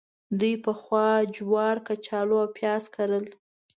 دوی پخوا جوار، کچالو او پیاز کرل.